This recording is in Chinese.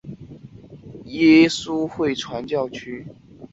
科尔多巴耶稣会牧场和街区的一个旧耶稣会传教区。